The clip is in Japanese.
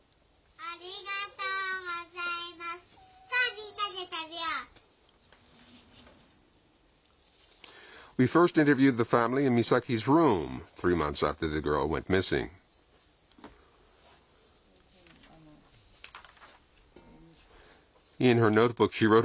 ありがとうございます。